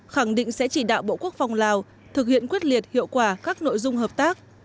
khẳng định sẽ chỉ đạo bộ quốc phòng lào thực hiện quyết liệt hiệu quả các nội dung hợp tác